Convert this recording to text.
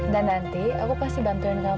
dan nanti aku pasti bantuin kamu